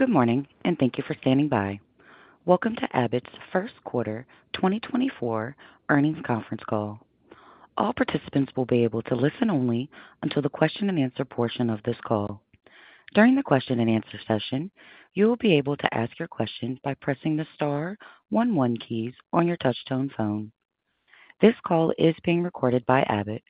Good morning, and thank you for standing by. Welcome to Abbott's First Quarter 2024 Earnings Conference Call. All participants will be able to listen only until the question-and-answer portion of this call. During the question-and-answer session, you will be able to ask your question by pressing the star one, one keys on your touchtone phone. This call is being recorded by Abbott.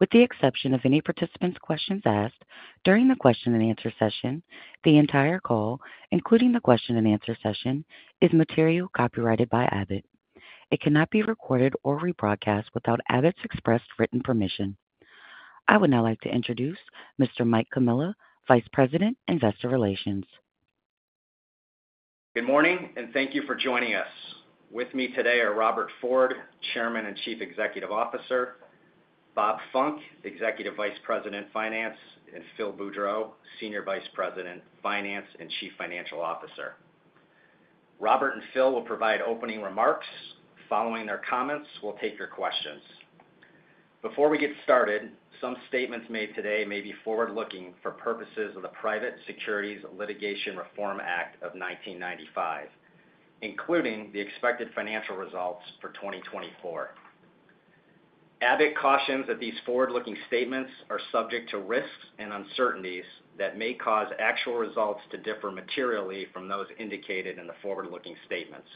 With the exception of any participant's questions asked during the question-and-answer session, the entire call, including the question-and-answer session, is material copyrighted by Abbott. It cannot be recorded or rebroadcast without Abbott's express written permission. I would now like to introduce Mr. Mike Comilla, Vice President, Investor Relations. Good morning, and thank you for joining us. With me today are Robert Ford, Chairman and Chief Executive Officer; Bob Funck, Executive Vice President, Finance; and Phil Boudreau, Senior Vice President, Finance and Chief Financial Officer. Robert and Phil will provide opening remarks. Following their comments, we'll take your questions. Before we get started, some statements made today may be forward-looking for purposes of the Private Securities Litigation Reform Act of 1995, including the expected financial results for 2024. Abbott cautions that these forward-looking statements are subject to risks and uncertainties that may cause actual results to differ materially from those indicated in the forward-looking statements.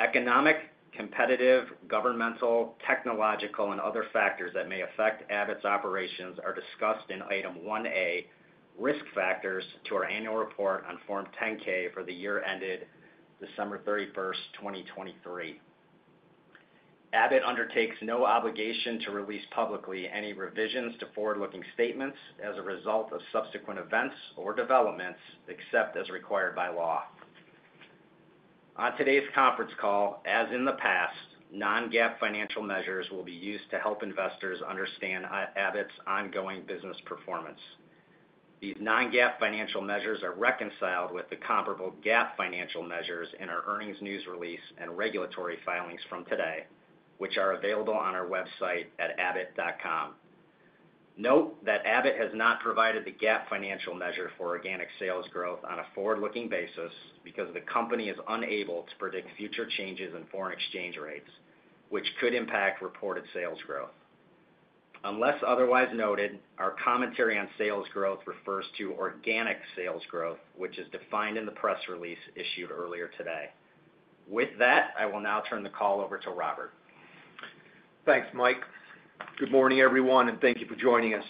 Economic, competitive, governmental, technological, and other factors that may affect Abbott's operations are discussed in Item 1A, Risk Factors, to our annual report on Form 10-K for the year ended December 31, 2023. Abbott undertakes no obligation to release publicly any revisions to forward-looking statements as a result of subsequent events or developments, except as required by law. On today's conference call, as in the past, non-GAAP financial measures will be used to help investors understand Abbott's ongoing business performance. These non-GAAP financial measures are reconciled with the comparable GAAP financial measures in our earnings news release and regulatory filings from today, which are available on our website at abbott.com. Note that Abbott has not provided the GAAP financial measure for organic sales growth on a forward-looking basis because the company is unable to predict future changes in foreign exchange rates, which could impact reported sales growth. Unless otherwise noted, our commentary on sales growth refers to organic sales growth, which is defined in the press release issued earlier today. With that, I will now turn the call over to Robert. Thanks, Mike. Good morning, everyone, and thank you for joining us.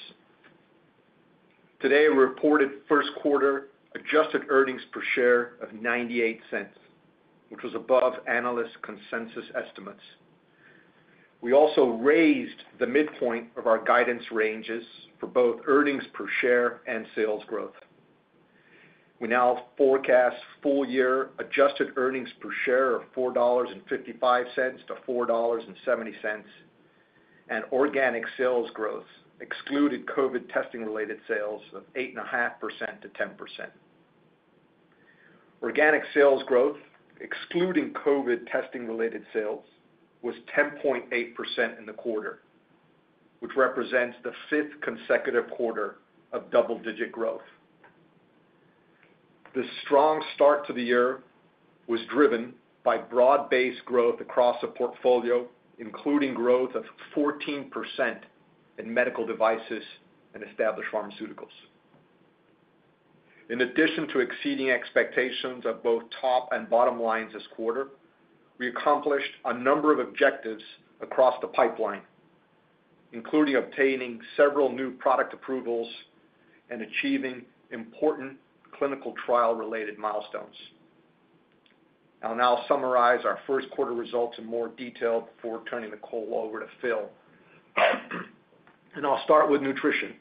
Today, we reported first quarter adjusted earnings per share of $0.98, which was above analyst consensus estimates. We also raised the midpoint of our guidance ranges for both earnings per share and sales growth. We now forecast full-year adjusted earnings per share of $4.55-$4.70, and organic sales growth excluded COVID testing-related sales of 8.5%-10%. Organic sales growth, excluding COVID testing-related sales, was 10.8% in the quarter, which represents the fifth consecutive quarter of double-digit growth. This strong start to the year was driven by broad-based growth across the portfolio, including growth of 14% in medical devices and established pharmaceuticals. In addition to exceeding expectations of both top and bottom lines this quarter, we accomplished a number of objectives across the pipeline, including obtaining several new product approvals and achieving important clinical trial-related milestones. I'll now summarize our first quarter results in more detail before turning the call over to Phil. I'll start with nutrition,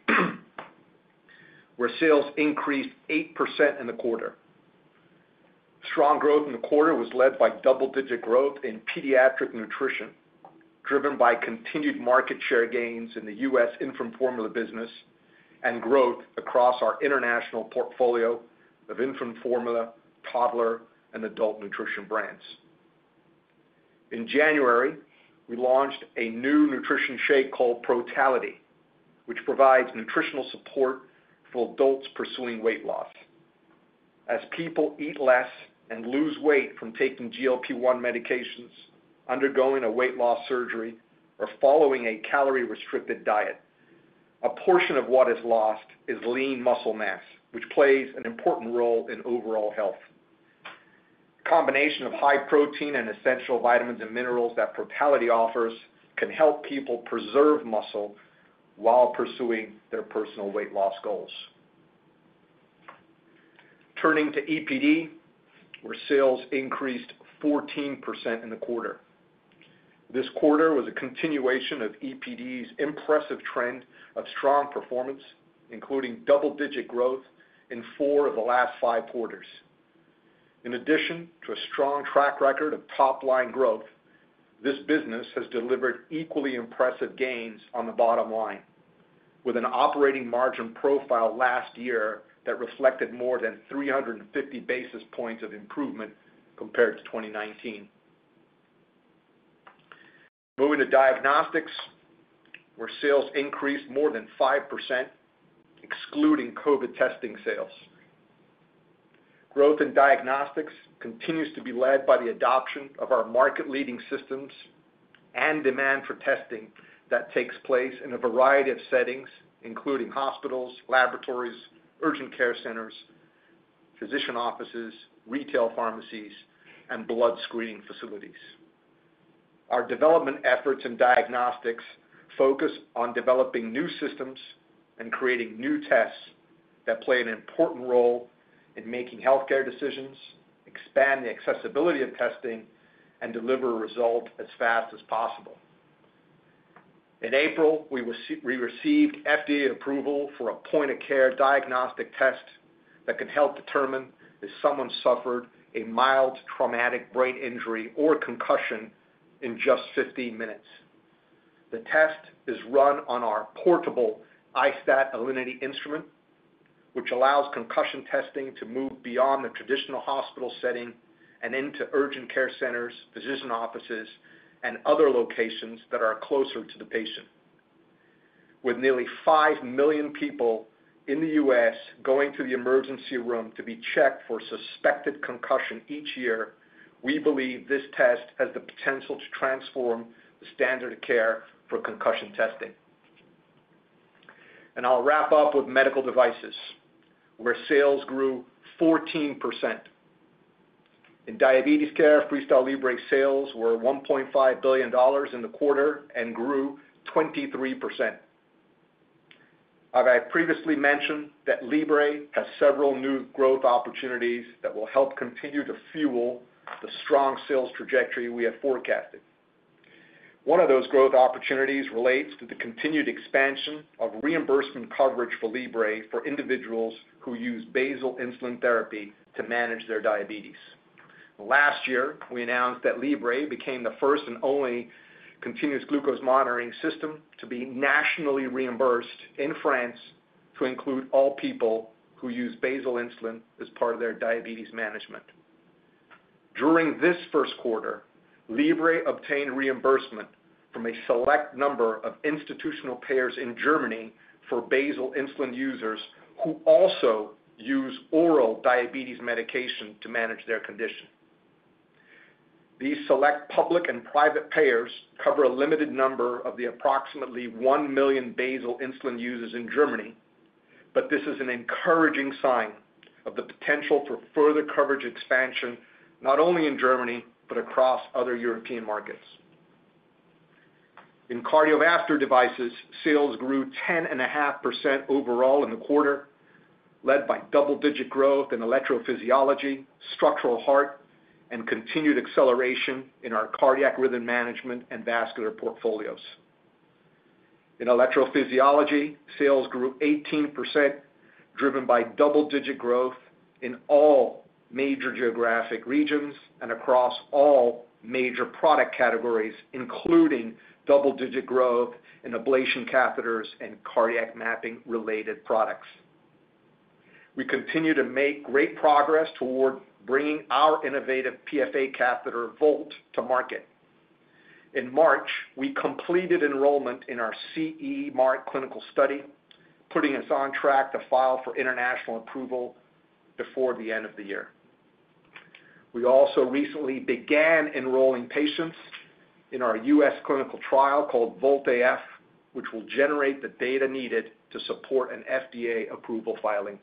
where sales increased 8% in the quarter. Strong growth in the quarter was led by double-digit growth in pediatric nutrition, driven by continued market share gains in the US infant formula business and growth across our international portfolio of infant formula, toddler, and adult nutrition brands. In January, we launched a new nutrition shake called Protality, which provides nutritional support for adults pursuing weight loss. As people eat less and lose weight from taking GLP-1 medications, undergoing a weight loss surgery, or following a calorie-restricted diet, a portion of what is lost is lean muscle mass, which plays an important role in overall health. Combination of high protein and essential vitamins and minerals that Protality offers can help people preserve muscle while pursuing their personal weight loss goals. Turning to EPD, where sales increased 14% in the quarter. This quarter was a continuation of EPD's impressive trend of strong performance, including double-digit growth in four of the last five quarters. In addition to a strong track record of top-line growth, this business has delivered equally impressive gains on the bottom line, with an operating margin profile last year that reflected more than 350 basis points of improvement compared to 2019. Moving to diagnostics, where sales increased more than 5%, excluding COVID testing sales. Growth in diagnostics continues to be led by the adoption of our market-leading systems and demand for testing that takes place in a variety of settings, including hospitals, laboratories, urgent care centers, physician offices, retail pharmacies, and blood screening facilities. Our development efforts in diagnostics focus on developing new systems and creating new tests that play an important role in making healthcare decisions, expand the accessibility of testing, and deliver a result as fast as possible. In April, we received FDA approval for a point-of-care diagnostic test that can help determine if someone suffered a mild traumatic brain injury or concussion in just 15 minutes. The test is run on our portable i-STAT Alinity instrument, which allows concussion testing to move beyond the traditional hospital setting and into urgent care centers, physician offices, and other locations that are closer to the patient. With nearly 5 million people in the U.S. going to the emergency room to be checked for suspected concussion each year, we believe this test has the potential to transform the standard of care for concussion testing. And I'll wrap up with medical devices, where sales grew 14%. In diabetes care, FreeStyle Libre sales were $1.5 billion in the quarter and grew 23%. I've previously mentioned that Libre has several new growth opportunities that will help continue to fuel the strong sales trajectory we have forecasted. One of those growth opportunities relates to the continued expansion of reimbursement coverage for Libre, for individuals who use basal insulin therapy to manage their diabetes. Last year, we announced that Libre became the first and only continuous glucose monitoring system to be nationally reimbursed in France to include all people who use basal insulin as part of their diabetes management. During this first quarter, Libre obtained reimbursement from a select number of institutional payers in Germany for basal insulin users who also use oral diabetes medication to manage their condition. These select public and private payers cover a limited number of the approximately 1 million basal insulin users in Germany, but this is an encouraging sign of the potential for further coverage expansion, not only in Germany, but across other European markets. In cardiovascular devices, sales grew 10.5% overall in the quarter, led by double-digit growth in electrophysiology, structural heart, and continued acceleration in our cardiac rhythm management and vascular portfolios. In electrophysiology, sales grew 18%, driven by double-digit growth in all major geographic regions and across all major product categories, including double-digit growth in ablation catheters and cardiac mapping-related products. We continue to make great progress toward bringing our innovative PFA catheter, Volt, to market. In March, we completed enrollment in our CE Mark clinical study, putting us on track to file for international approval before the end of the year. We also recently began enrolling patients in our U.S. clinical trial called VOLT-AF, which will generate the data needed to support an FDA approval filing.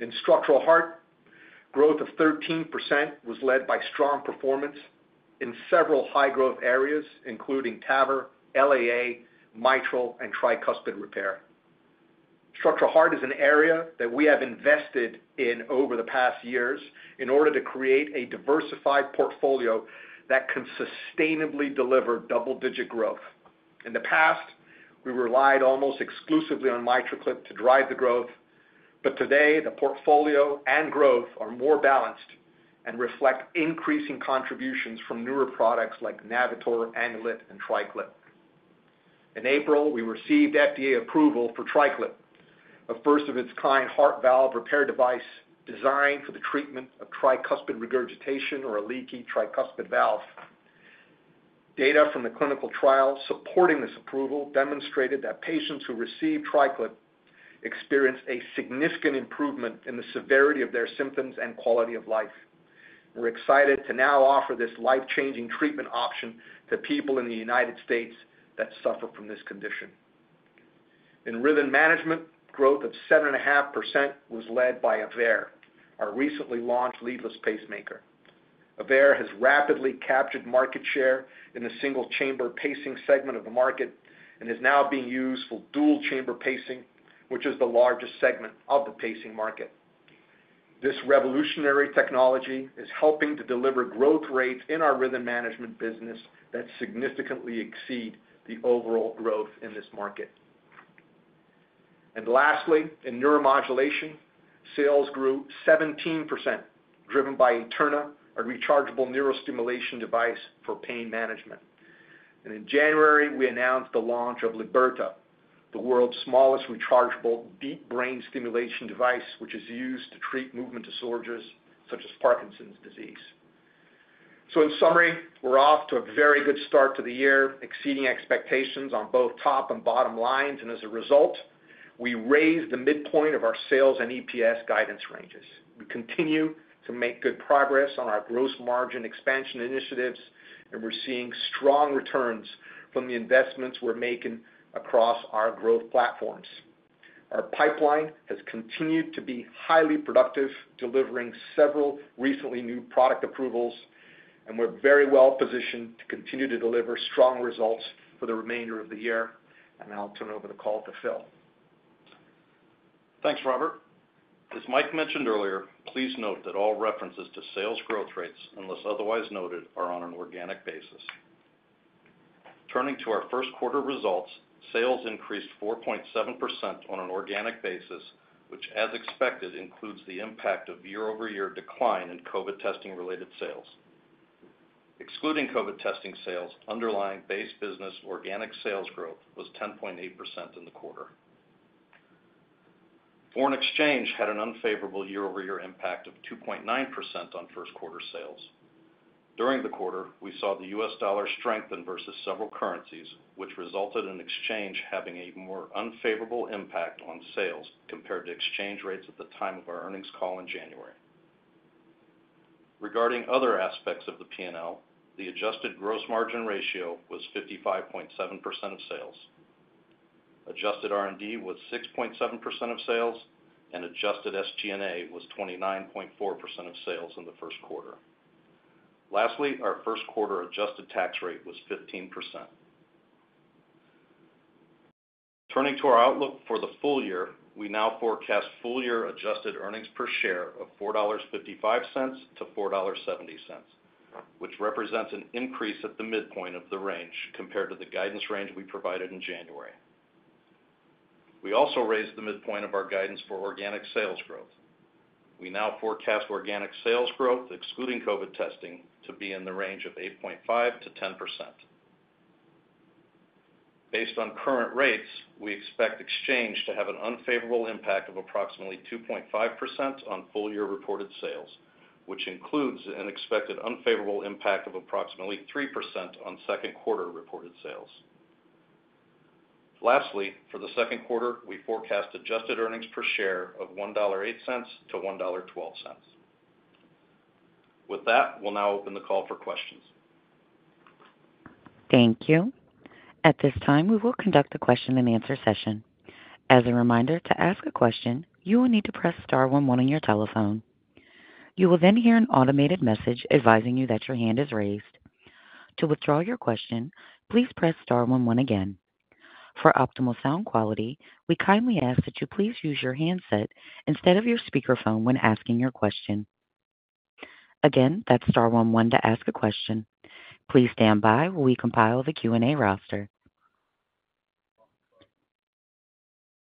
In structural heart, growth of 13% was led by strong performance in several high-growth areas, including TAVR, LAA, mitral, and tricuspid repair. Structural heart is an area that we have invested in over the past years in order to create a diversified portfolio that can sustainably deliver double-digit growth. In the past, we relied almost exclusively on MitraClip to drive the growth, but today, the portfolio and growth are more balanced and reflect increasing contributions from newer products like Navitor, Amplatzer Amulet, and TriClip. In April, we received FDA approval for TriClip, a first-of-its-kind heart valve repair device designed for the treatment of tricuspid regurgitation or a leaky tricuspid valve. Data from the clinical trial supporting this approval demonstrated that patients who received TriClip experienced a significant improvement in the severity of their symptoms and quality of life. We're excited to now offer this life-changing treatment option to people in the United States that suffer from this condition. In rhythm management, growth of 7.5% was led by AVEIR, our recently launched leadless pacemaker. AVEIR has rapidly captured market share in the single-chamber pacing segment of the market and is now being used for dual-chamber pacing, which is the largest segment of the pacing market. This revolutionary technology is helping to deliver growth rates in our rhythm management business that significantly exceed the overall growth in this market. And lastly, in neuromodulation, sales grew 17%, driven by Eterna, a rechargeable neurostimulation device for pain management. And in January, we announced the launch of Liberta.... the world's smallest rechargeable deep brain stimulation device, which is used to treat movement disorders such as Parkinson's disease. So in summary, we're off to a very good start to the year, exceeding expectations on both top and bottom lines, and as a result, we raised the midpoint of our sales and EPS guidance ranges. We continue to make good progress on our gross margin expansion initiatives, and we're seeing strong returns from the investments we're making across our growth platforms. Our pipeline has continued to be highly productive, delivering several recently new product approvals, and we're very well positioned to continue to deliver strong results for the remainder of the year. Now I'll turn over the call to Phil. Thanks, Robert. As Mike mentioned earlier, please note that all references to sales growth rates, unless otherwise noted, are on an organic basis. Turning to our first quarter results, sales increased 4.7% on an organic basis, which, as expected, includes the impact of year-over-year decline in COVID testing-related sales. Excluding COVID testing sales, underlying base business organic sales growth was 10.8% in the quarter. Foreign exchange had an unfavorable year-over-year impact of 2.9% on first quarter sales. During the quarter, we saw the US dollar strengthen versus several currencies, which resulted in exchange having a more unfavorable impact on sales compared to exchange rates at the time of our earnings call in January. Regarding other aspects of the P&L, the adjusted gross margin ratio was 55.7% of sales. Adjusted R&D was 6.7% of sales, and adjusted SG&A was 29.4% of sales in the first quarter. Lastly, our first quarter adjusted tax rate was 15%. Turning to our outlook for the full year, we now forecast full-year adjusted earnings per share of $4.55-$4.70, which represents an increase at the midpoint of the range compared to the guidance range we provided in January. We also raised the midpoint of our guidance for organic sales growth. We now forecast organic sales growth, excluding COVID testing, to be in the range of 8.5%-10%. Based on current rates, we expect exchange to have an unfavorable impact of approximately 2.5% on full-year reported sales, which includes an expected unfavorable impact of approximately 3% on second quarter reported sales. Lastly, for the second quarter, we forecast adjusted earnings per share of $1.08-$1.12. With that, we'll now open the call for questions. Thank you. At this time, we will conduct a question-and-answer session. As a reminder, to ask a question, you will need to press star one one on your telephone. You will then hear an automated message advising you that your hand is raised. To withdraw your question, please press star one one again. For optimal sound quality, we kindly ask that you please use your handset instead of your speakerphone when asking your question. Again, that's star one one to ask a question. Please stand by while we compile the Q&A roster.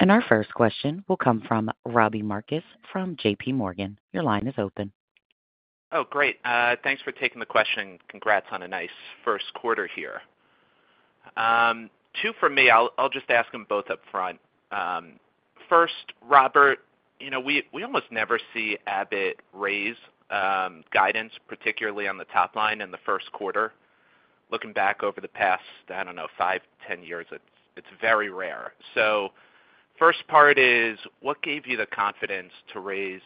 Our first question will come from Robbie Marcus from J.P. Morgan. Your line is open. Oh, great. Thanks for taking the question. Congrats on a nice first quarter here. Two for me, I'll just ask them both up front. First, Robert, you know, we almost never see Abbott raise guidance, particularly on the top line in the first quarter. Looking back over the past, I don't know, 5, 10 years, it's very rare. So first part is: What gave you the confidence to raise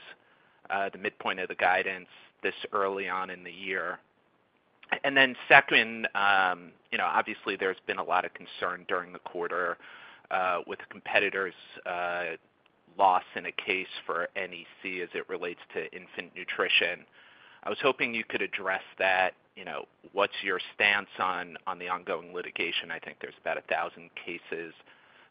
the midpoint of the guidance this early on in the year? And then second, you know, obviously, there's been a lot of concern during the quarter with competitors' loss in a case for NEC as it relates to infant nutrition. I was hoping you could address that, you know, what's your stance on the ongoing litigation? I think there's about 1,000 cases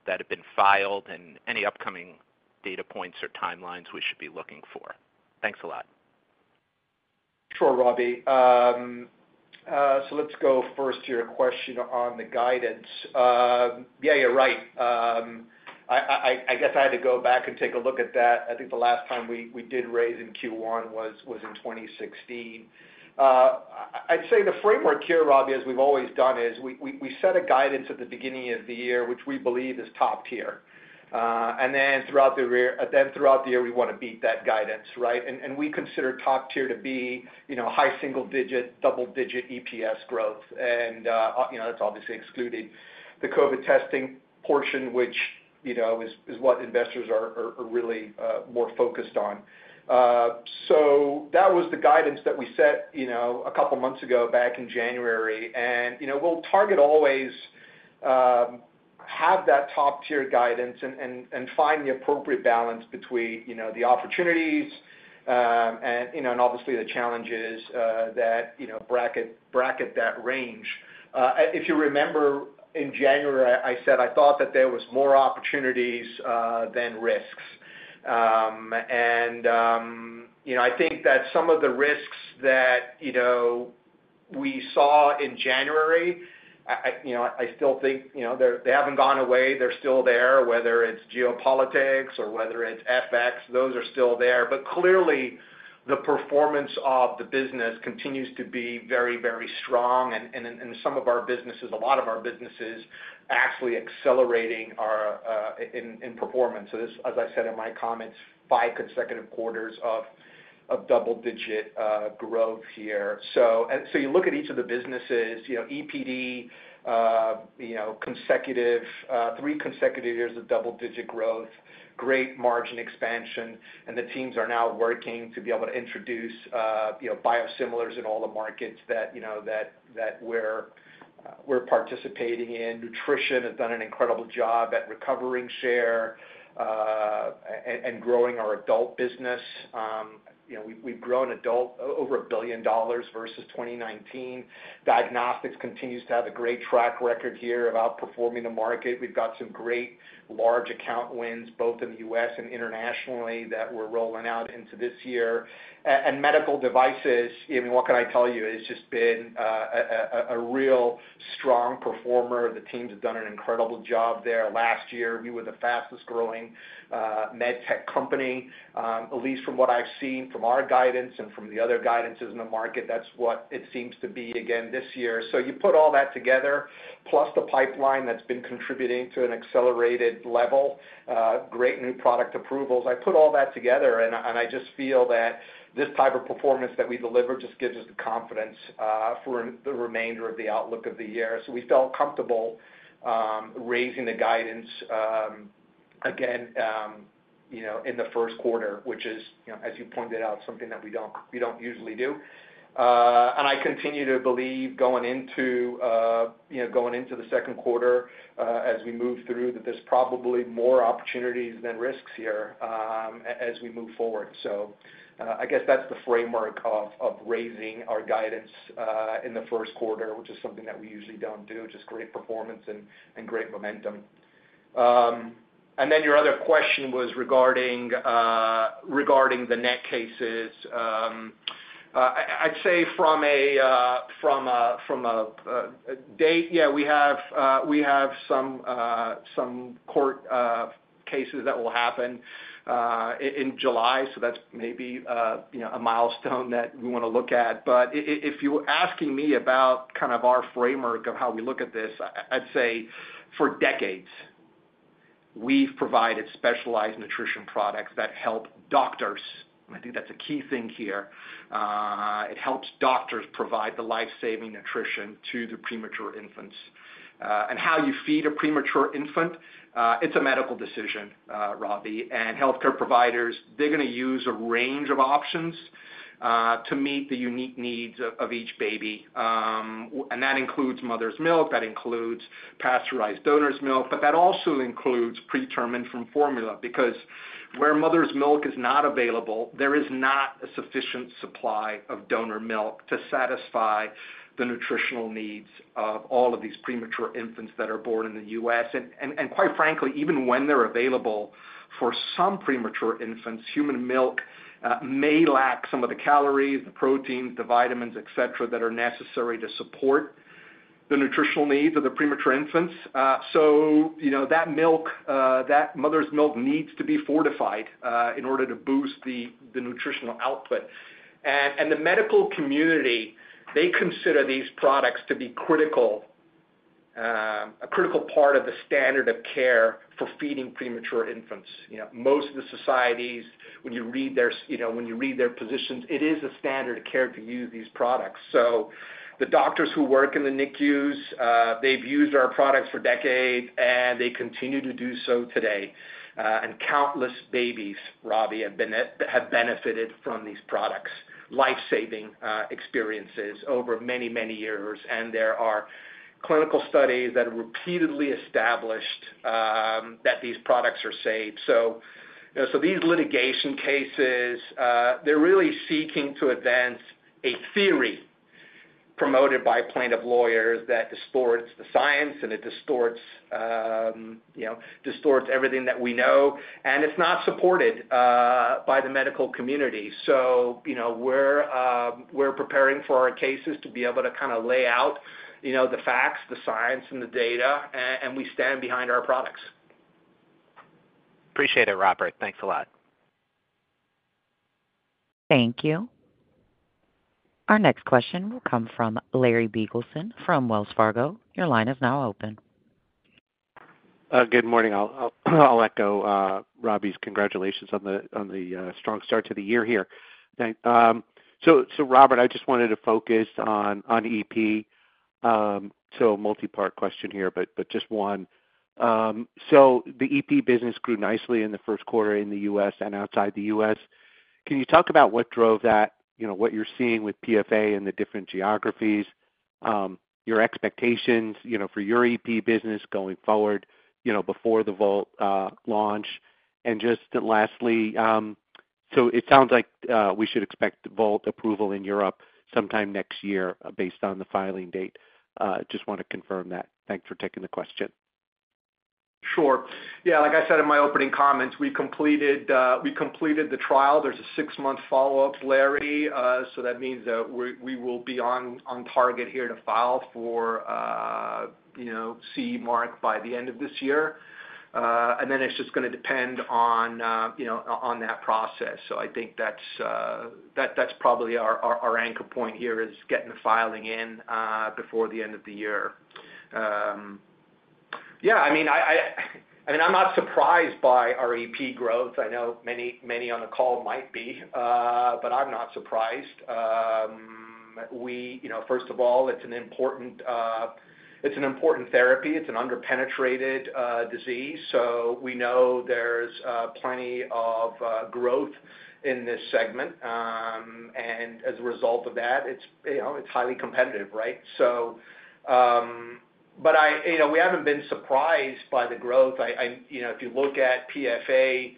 that have been filed, and any upcoming data points or timelines we should be looking for. Thanks a lot. Sure, Robbie. So let's go first to your question on the guidance. Yeah, you're right. I guess I had to go back and take a look at that. I think the last time we did raise in Q1 was in 2016. I'd say the framework here, Robbie, as we've always done, is we set a guidance at the beginning of the year, which we believe is top tier. And then throughout the year, we want to beat that guidance, right? And we consider top tier to be, you know, high single digit, double digit EPS growth. And you know, that's obviously excluding the COVID testing portion, which, you know, is what investors are really more focused on. So that was the guidance that we set, you know, a couple of months ago back in January, and, you know, we'll target always have that top-tier guidance and find the appropriate balance between, you know, the opportunities and, you know, and obviously the challenges that, you know, bracket that range. If you remember, in January, I said I thought that there was more opportunities than risks. And, you know, I think that some of the risks that, you know, we saw in January, I still think, you know, they're they haven't gone away. They're still there, whether it's geopolitics or whether it's FX, those are still there. But clearly-... The performance of the business continues to be very, very strong, and in some of our businesses, a lot of our businesses, actually accelerating our performance. So this, as I said in my comments, five consecutive quarters of double-digit growth here. So, and so you look at each of the businesses, you know, EPD, you know, three consecutive years of double-digit growth, great margin expansion, and the teams are now working to be able to introduce, you know, biosimilars in all the markets that, you know, that we're participating in. Nutrition has done an incredible job at recovering share, and growing our adult business. You know, we've grown adult over $1 billion versus 2019. Diagnostics continues to have a great track record here of outperforming the market. We've got some great large account wins, both in the U.S. and internationally, that we're rolling out into this year. And medical devices, I mean, what can I tell you? It's just been a real strong performer. The team's done an incredible job there. Last year, we were the fastest growing med tech company. At least from what I've seen from our guidance and from the other guidances in the market, that's what it seems to be again this year. So you put all that together, plus the pipeline that's been contributing to an accelerated level, great new product approvals. I put all that together, and I just feel that this type of performance that we deliver just gives us the confidence for the remainder of the outlook of the year. So we felt comfortable raising the guidance again, you know, in the first quarter, which is, you know, as you pointed out, something that we don't, we don't usually do. And I continue to believe going into, you know, going into the second quarter, as we move through, that there's probably more opportunities than risks here, as we move forward. So, I guess that's the framework of raising our guidance in the first quarter, which is something that we usually don't do, just great performance and great momentum. And then your other question was regarding the NEC cases. I'd say from a date, yeah, we have some court cases that will happen in July, so that's maybe, you know, a milestone that we want to look at. But if you were asking me about kind of our framework of how we look at this, I'd say for decades, we've provided specialized nutrition products that help doctors, and I think that's a key thing here. It helps doctors provide the life-saving nutrition to the premature infants. And how you feed a premature infant, it's a medical decision, Robbie, and healthcare providers, they're gonna use a range of options to meet the unique needs of each baby. And that includes mother's milk, that includes pasteurized donor's milk, but that also includes pre-term infant formula, because where mother's milk is not available, there is not a sufficient supply of donor milk to satisfy the nutritional needs of all of these premature infants that are born in the U.S. And quite frankly, even when they're available, for some premature infants, human milk may lack some of the calories, the proteins, the vitamins, et cetera, that are necessary to support the nutritional needs of the premature infants. So you know, that milk, that mother's milk needs to be fortified in order to boost the nutritional output. And the medical community, they consider these products to be critical, a critical part of the standard of care for feeding premature infants. You know, most of the societies, when you read their, you know, when you read their positions, it is a standard of care to use these products. So the doctors who work in the NICUs, they've used our products for decades, and they continue to do so today. And countless babies, Robbie, have benefited from these products, life-saving experiences over many, many years. And there are clinical studies that have repeatedly established that these products are safe. So, you know, so these litigation cases, they're really seeking to advance a theory promoted by plaintiff lawyers that distorts the science, and it distorts, you know, distorts everything that we know, and it's not supported by the medical community. You know, we're preparing for our cases to be able to kind of lay out, you know, the facts, the science, and the data, and we stand behind our products. Appreciate it, Robert. Thanks a lot. Thank you. Our next question will come from Larry Biegelsen from Wells Fargo. Your line is now open. Good morning. I'll echo Robbie's congratulations on the strong start to the year here. Thanks. So Robert, I just wanted to focus on EP. So a multi-part question here, but just one. So the EP business grew nicely in the first quarter in the U.S. and outside the U.S. Can you talk about what drove that? You know, what you're seeing with PFA in the different geographies, your expectations, you know, for your EP business going forward, you know, before the Volt launch. And just lastly, so it sounds like we should expect the Volt approval in Europe sometime next year, based on the filing date. Just want to confirm that. Thanks for taking the question. ... Sure. Yeah, like I said in my opening comments, we completed the trial. There's a six-month follow-up, Larry, so that means that we will be on target here to file for, you know, CE mark by the end of this year. And then it's just gonna depend on, you know, on that process. So I think that's probably our anchor point here, is getting the filing in before the end of the year. Yeah, I mean, I'm not surprised by our EP growth. I know many on the call might be, but I'm not surprised. We... You know, first of all, it's an important therapy. It's an under-penetrated disease, so we know there's plenty of growth in this segment. And as a result of that, it's, you know, it's highly competitive, right? So, but I-- you know, we haven't been surprised by the growth. You know, if you look at PFA,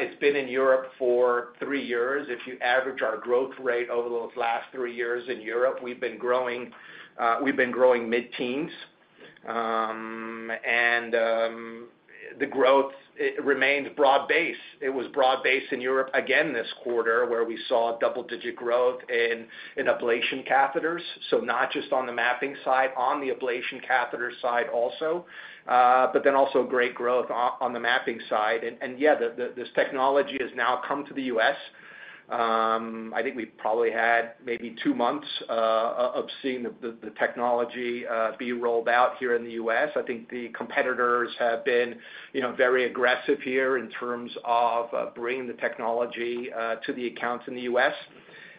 it's been in Europe for three years. If you average our growth rate over those last three years in Europe, we've been growing, we've been growing mid-teens. And, the growth, it remains broad-based. It was broad-based in Europe again this quarter, where we saw double-digit growth in ablation catheters, so not just on the mapping side, on the ablation catheter side also. But then also great growth on the mapping side. And, yeah, this technology has now come to the U.S. I think we've probably had maybe two months of seeing the technology be rolled out here in the U.S. I think the competitors have been, you know, very aggressive here in terms of bringing the technology to the accounts in the U.S.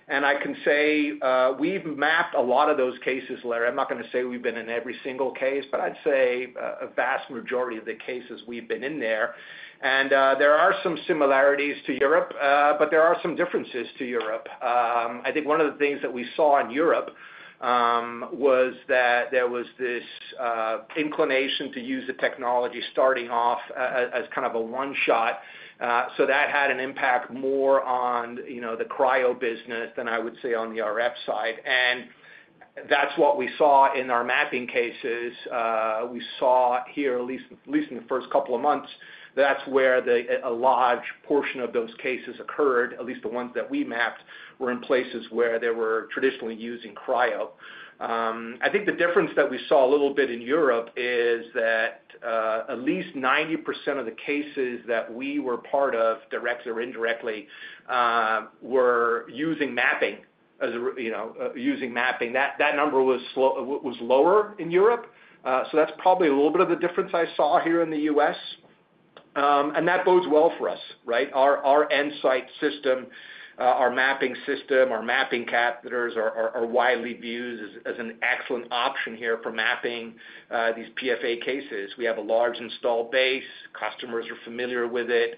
And I can say, we've mapped a lot of those cases, Larry. I'm not gonna say we've been in every single case, but I'd say, a vast majority of the cases we've been in there. And, there are some similarities to Europe, but there are some differences to Europe. I think one of the things that we saw in Europe was that there was this inclination to use the technology starting off as kind of a one shot. So that had an impact more on, you know, the cryo business than I would say on the RF side, and that's what we saw in our mapping cases. We saw here, at least in the first couple of months, that's where the large portion of those cases occurred, at least the ones that we mapped, were in places where they were traditionally using cryo. I think the difference that we saw a little bit in Europe is that, at least 90% of the cases that we were part of, directly or indirectly, were using mapping. That number was lower in Europe, so that's probably a little bit of the difference I saw here in the US. And that bodes well for us, right? Our EnSite system, our mapping system, our mapping catheters are widely viewed as an excellent option here for mapping these PFA cases. We have a large installed base, customers are familiar with it,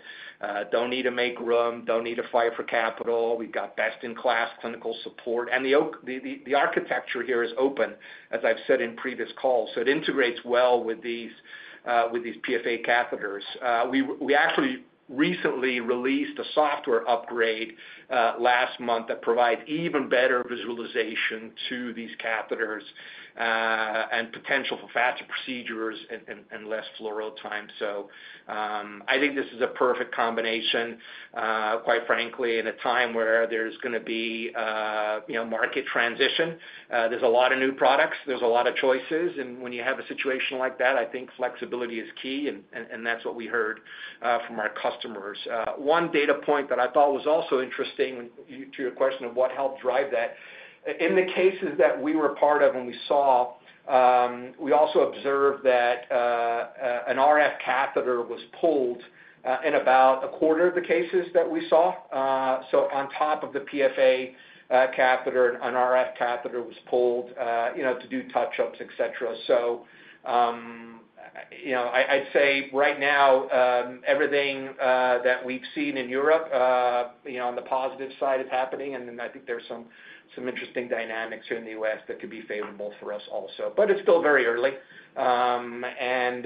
don't need to make room, don't need to fight for capital. We've got best-in-class clinical support, and the architecture here is open, as I've said in previous calls, so it integrates well with these PFA catheters. We actually recently released a software upgrade last month, that provides even better visualization to these catheters, and potential for faster procedures and less fluoro time. So, I think this is a perfect combination, quite frankly, in a time where there's gonna be, you know, market transition. There's a lot of new products, there's a lot of choices, and when you have a situation like that, I think flexibility is key, and that's what we heard from our customers. One data point that I thought was also interesting, to your question of what helped drive that, in the cases that we were a part of and we saw, we also observed that an RF catheter was pulled in about a quarter of the cases that we saw. So on top of the PFA catheter, an RF catheter was pulled, you know, to do touch-ups, et cetera. So, you know, I, I'd say right now, everything that we've seen in Europe, you know, on the positive side is happening, and then I think there are some, some interesting dynamics here in the U.S. that could be favorable for us also. But it's still very early. And,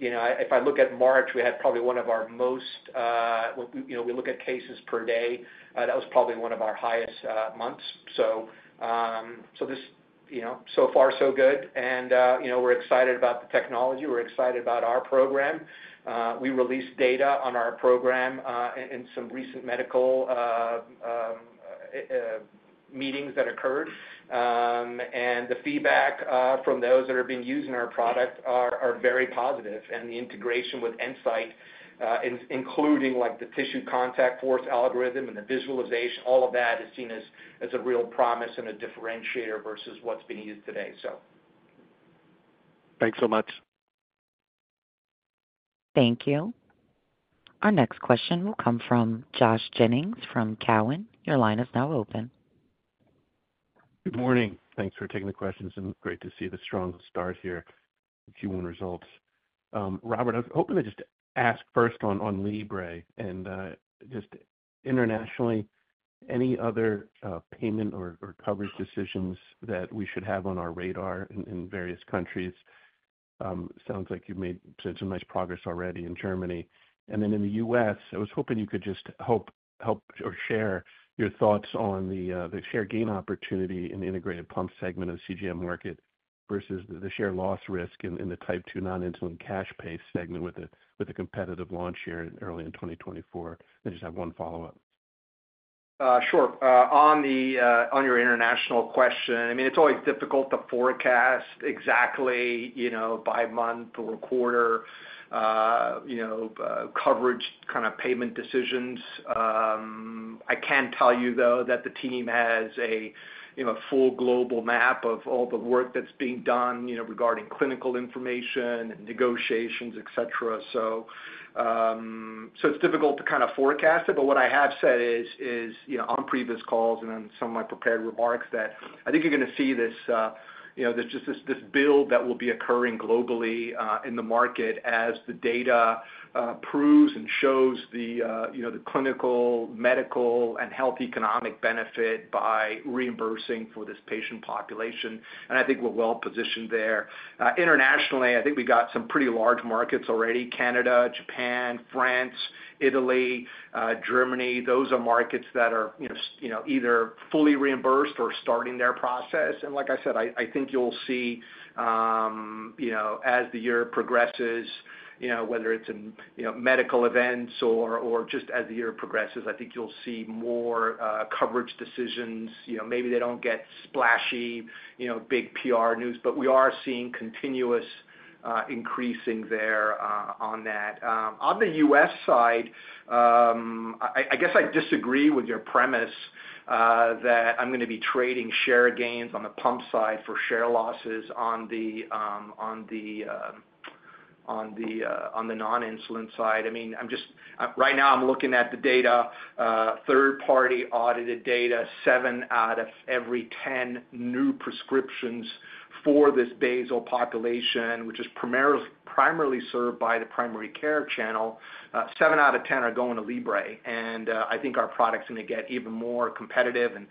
you know, if I look at March, we had probably one of our highest months. We look at cases per day. So, so this, you know, so far so good, and, you know, we're excited about the technology, we're excited about our program. We released data on our program in some recent medical meetings that occurred. The feedback from those that have been using our products are very positive, and the integration with EnSite, including, like, the tissue contact force algorithm and the visualization, all of that is seen as a real promise and a differentiator versus what's being used today, so. Thanks so much. Thank you. Our next question will come from Josh Jennings from Cowen. Your line is now open. Good morning. Thanks for taking the questions, and great to see the strong start here, Q1 results. Robert, I was hoping to just ask first on Libre, and just internationally, any other payment or coverage decisions that we should have on our radar in various countries? Sounds like you've made some nice progress already in Germany. In the U.S., I was hoping you could just help or share your thoughts on the share gain opportunity in the integrated pump segment of the CGM market versus the share loss risk in the Type 2 non-insulin cash pay segment with the competitive launch here in early 2024. I just have one follow-up.... Sure. On the, on your international question, I mean, it's always difficult to forecast exactly, you know, by month or quarter, you know, coverage kind of payment decisions. I can tell you, though, that the team has a, you know, full global map of all the work that's being done, you know, regarding clinical information and negotiations, et cetera. So, so it's difficult to kind of forecast it, but what I have said is, is, you know, on previous calls and on some of my prepared remarks, that I think you're gonna see this, you know, just this, this build that will be occurring globally, in the market as the data, proves and shows the, you know, the clinical, medical, and health economic benefit by reimbursing for this patient population, and I think we're well positioned there. Internationally, I think we got some pretty large markets already, Canada, Japan, France, Italy, Germany. Those are markets that are, you know, you know, either fully reimbursed or starting their process. And like I said, I think you'll see, you know, as the year progresses, you know, whether it's in, you know, medical events or just as the year progresses, I think you'll see more, coverage decisions. You know, maybe they don't get splashy, you know, big PR news, but we are seeing continuous, increasing there, on that. On the US side, I guess I disagree with your premise, that I'm gonna be trading share gains on the pump side for share losses on the non-insulin side. I mean, I'm just right now looking at the data, third party audited data, seven out of every ten new prescriptions for this basal population, which is primarily, primarily served by the primary care channel, seven out of ten are going to Libre, and I think our product's gonna get even more competitive and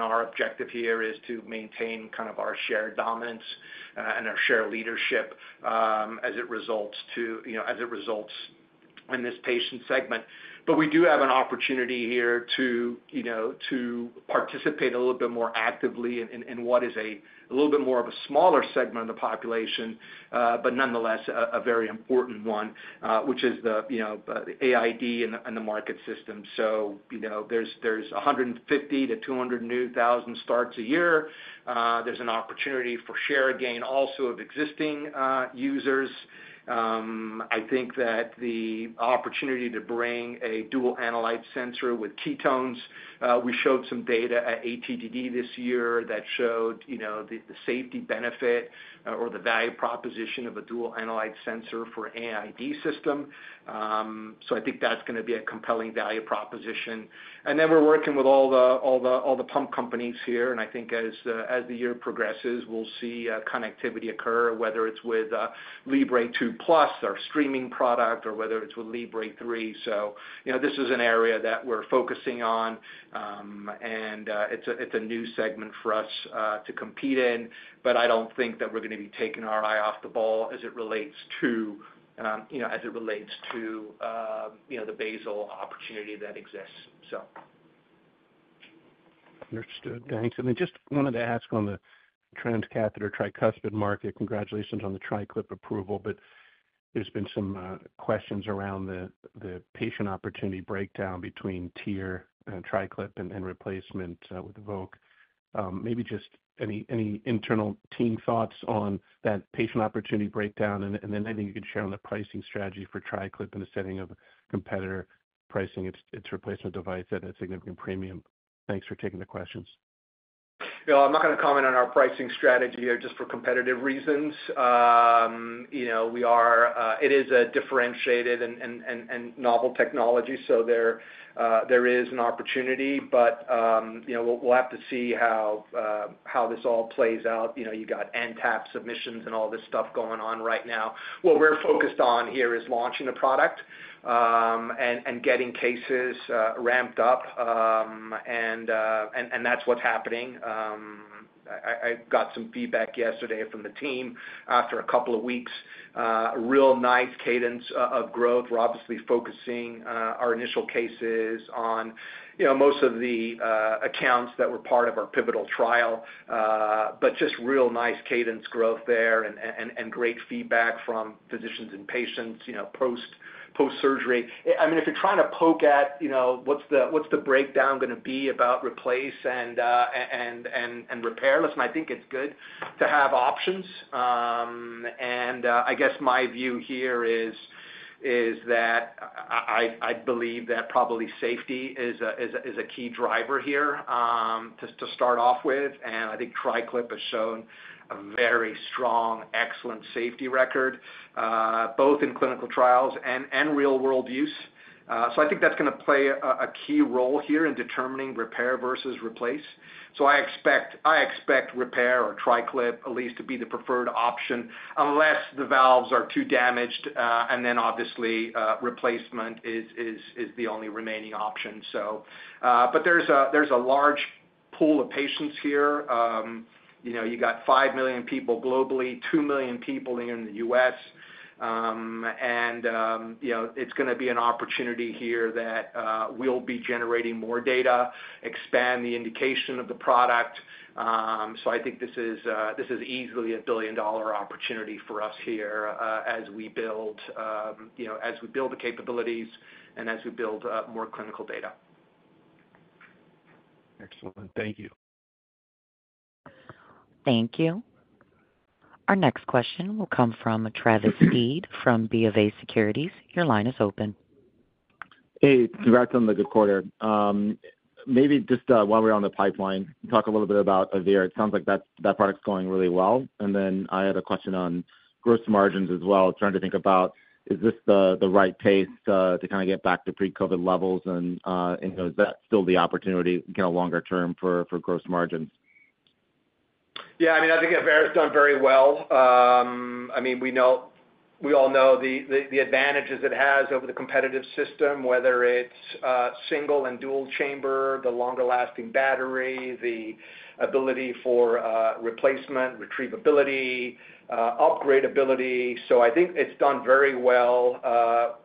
our objective here is to maintain kind of our share dominance and our share leadership, as it results to, you know, as it results in this patient segment. But we do have an opportunity here to, you know, to participate a little bit more actively in what is a little bit more of a smaller segment of the population, but nonetheless, a very important one, which is the, you know, AID and the market system. So, you know, there are 150-200 thousand new starts a year. There's an opportunity for share gain also of existing users. I think that the opportunity to bring a dual analyte sensor with ketones, we showed some data at ATTD this year that showed, you know, the safety benefit, or the value proposition of a dual analyte sensor for an AID system. So I think that's gonna be a compelling value proposition. Then we're working with all the pump companies here, and I think as the year progresses, we'll see connectivity occur, whether it's with Libre 2 Plus, our streaming product, or whether it's with Libre 3. So, you know, this is an area that we're focusing on, and it's a new segment for us to compete in, but I don't think that we're gonna be taking our eye off the ball as it relates to, you know, as it relates to, you know, the basal opportunity that exists, so. Understood. Thanks. Then just wanted to ask on the transcatheter tricuspid market. Congratulations on the TriClip approval, but there's been some questions around the patient opportunity breakdown between TEER and TriClip and replacement with Evoque. Maybe just any internal team thoughts on that patient opportunity breakdown, and then anything you could share on the pricing strategy for TriClip in the setting of competitor pricing, its replacement device at a significant premium. Thanks for taking the questions. You know, I'm not gonna comment on our pricing strategy here just for competitive reasons. You know, it is a differentiated and novel technology, so there is an opportunity, but you know, we'll have to see how this all plays out. You know, you got NTAP submissions and all this stuff going on right now. What we're focused on here is launching the product, and getting cases ramped up. And that's what's happening. I got some feedback yesterday from the team after a couple of weeks, a real nice cadence of growth. We're obviously focusing our initial cases on, you know, most of the accounts that were part of our pivotal trial. But just real nice cadence growth there and great feedback from physicians and patients, you know, post-surgery. I mean, if you're trying to poke at, you know, what's the breakdown gonna be about replace and repair? Listen, I think it's good to have options. I guess my view here is that I believe that probably safety is a key driver here, to start off with. And I think TriClip has shown a very strong, excellent safety record, both in clinical trials and real-world use. So I think that's gonna play a key role here in determining repair versus replace. So I expect, I expect repair or TriClip, at least, to be the preferred option, unless the valves are too damaged, and then, obviously, replacement is, is, is the only remaining option. So, but there's a, there's a large pool of patients here. You know, you got 5 million people globally, 2 million people in the US. And, you know, it's gonna be an opportunity here that, we'll be generating more data, expand the indication of the product. So I think this is, this is easily a billion-dollar opportunity for us here, as we build, you know, as we build the capabilities and as we build, more clinical data. Excellent. Thank you. Thank you. Our next question will come from Travis Steed from BofA Securities. Your line is open. Hey, congrats on the good quarter. Maybe just, while we're on the pipeline, talk a little bit about AVEIR. It sounds like that product's going really well. And then I had a question on gross margins as well, trying to think about, is this the right pace to kind of get back to pre-COVID levels? And is that still the opportunity kind of longer term for gross margins? Yeah, I mean, I think AVEIR's done very well. I mean, we know—we all know the advantages it has over the competitive system, whether it's single and dual chamber, the longer lasting battery, the ability for replacement, retrievability, upgradeability. So I think it's done very well.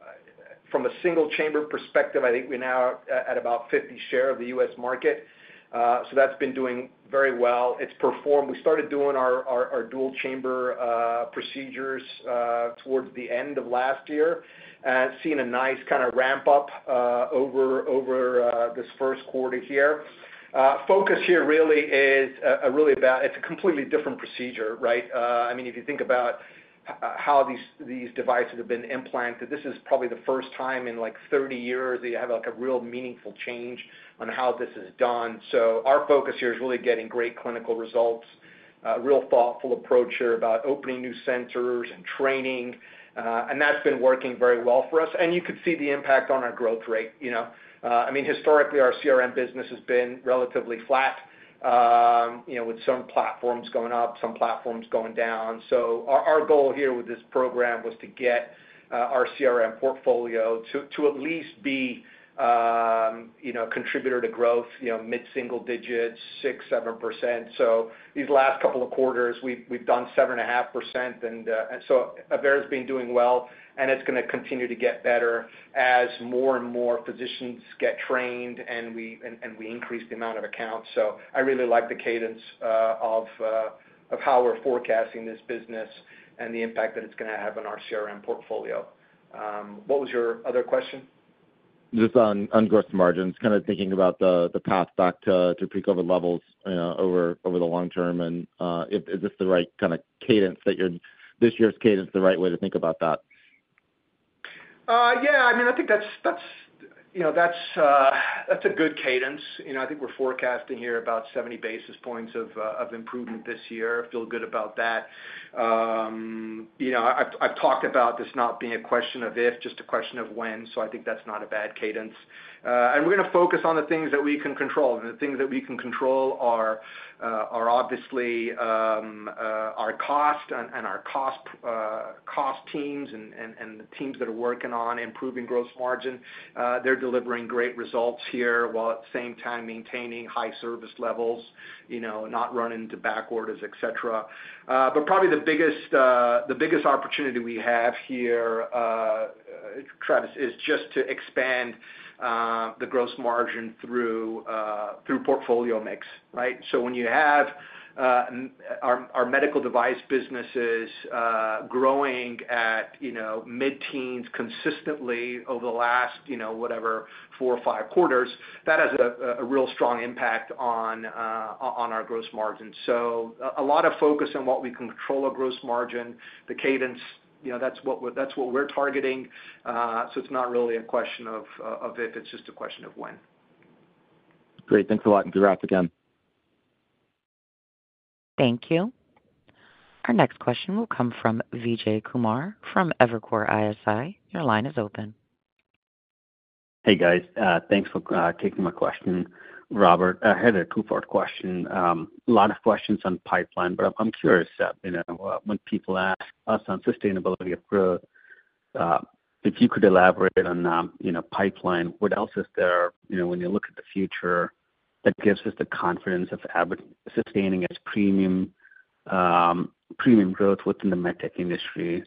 From a single chamber perspective, I think we're now at about 50% share of the U.S. market. So that's been doing very well. It's performed... We started doing our dual chamber procedures towards the end of last year, and seeing a nice kind of ramp up over this first quarter here. Focus here really is really about—It's a completely different procedure, right? I mean, if you think about how these, these devices have been implanted, this is probably the first time in, like, 30 years that you have, like, a real meaningful change on how this is done. So our focus here is really getting great clinical results, a real thoughtful approach here about opening new centers and training, and that's been working very well for us. You could see the impact on our growth rate, you know. I mean, historically, our CRM business has been relatively flat, you know, with some platforms going up, some platforms going down. So our goal here with this program was to get our CRM portfolio to at least be a contributor to growth, you know, mid-single digits, 6, 7%. So these last couple of quarters, we've done 7.5%, and so AVEIR's been doing well, and it's gonna continue to get better as more and more physicians get trained, and we increase the amount of accounts. So I really like the cadence of how we're forecasting this business and the impact that it's gonna have on our CRM portfolio. What was your other question? Just on gross margins, kind of thinking about the path back to pre-COVID levels over the long term, and is this the right kind of cadence that you're—this year's cadence, the right way to think about that? Yeah. I mean, I think that's, that's, you know, that's a good cadence. You know, I think we're forecasting here about 70 basis points of improvement this year. Feel good about that. You know, I've, I've talked about this not being a question of if, just a question of when, so I think that's not a bad cadence. And we're gonna focus on the things that we can control, and the things that we can control are obviously our cost and, and our cost, cost teams and, and, and the teams that are working on improving gross margin. They're delivering great results here, while at the same time maintaining high service levels, you know, not running into back orders, et cetera. But probably the biggest opportunity we have here, Travis, is just to expand the gross margin through portfolio mix, right? So when you have our medical device businesses growing at, you know, mid-teens consistently over the last, you know, whatever, four or five quarters, that has a real strong impact on our gross margin. So a lot of focus on what we can control, our gross margin, the cadence, you know, that's what we're targeting. So it's not really a question of if, it's just a question of when. Great. Thanks a lot, and congrats again. Thank you. Our next question will come from Vijay Kumar from Evercore ISI. Your line is open. Hey, guys, thanks for taking my question. Robert, I had a two-part question. A lot of questions on pipeline, but I'm curious, you know, when people ask us on sustainability of growth, if you could elaborate on, you know, pipeline, what else is there, you know, when you look at the future, that gives us the confidence of Abbott sustaining its premium, premium growth within the med tech industry?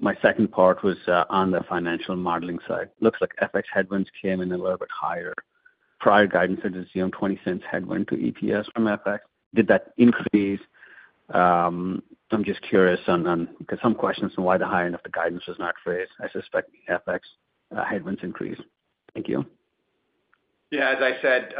My second part was on the financial modeling side. Looks like FX headwinds came in a little bit higher. Prior guidance is, you know, $0.20 headwind to EPS from FX. Did that increase? I'm just curious on... Because some questions on why the high end of the guidance was not raised. I suspect the FX headwinds increased. Thank you. Yeah, as I said,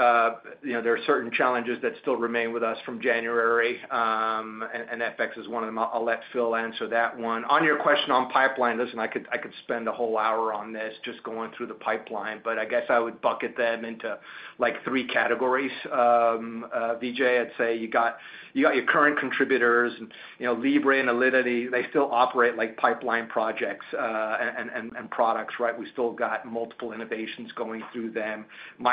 you know, there are certain challenges that still remain with us from January, and FX is one of them. I'll let Phil answer that one. On your question on pipeline, listen, I could spend a whole hour on this just going through the pipeline, but I guess I would bucket them into, like, three categories, Vijay. I'd say you got your current contributors, you know, Libre and Alinity, they still operate like pipeline projects, and products, right? We still got multiple innovations going through them.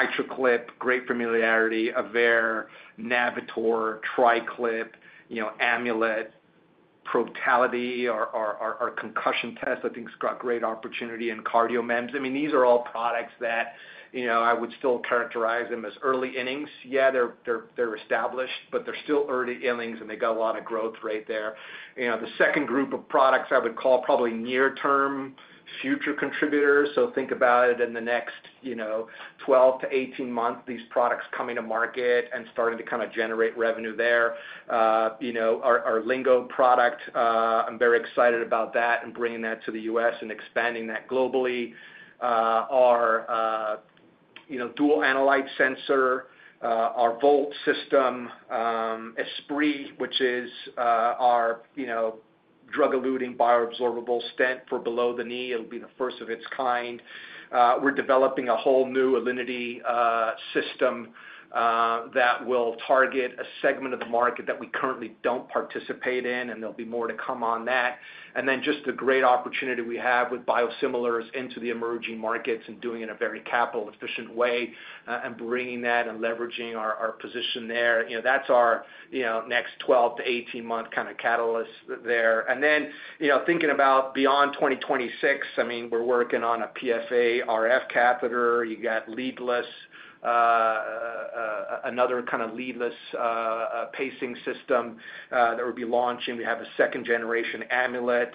MitraClip, great familiarity. AVEIR, Navitor, TriClip, you know, Amulet, Protality, our Concussion test, I think it's got great opportunity, and CardioMEMS. I mean, these are all products that, you know, I would still characterize them as early innings. Yeah, they're established, but they're still early innings, and they got a lot of growth rate there. You know, the second group of products I would call probably near-term future contributors. So think about it in the next, you know, 12-18 months, these products coming to market and starting to kind of generate revenue there. You know, our Lingo product, I'm very excited about that and bringing that to the U.S. and expanding that globally. You know, dual analyte sensor, our Volt system, Esprit, which is our drug-eluting bioabsorbable stent for below the knee. It'll be the first of its kind. We're developing a whole new Alinity system that will target a segment of the market that we currently don't participate in, and there'll be more to come on that. And then just the great opportunity we have with biosimilars into the emerging markets and doing it in a very capital-efficient way, and bringing that and leveraging our position there. You know, that's our, you know, next 12- to 18-month kind of catalyst there. And then, you know, thinking about beyond 2026, I mean, we're working on a PFA RF catheter. You got leadless, another kind of leadless pacing system that we'll be launching. We have a second-generation Amulet.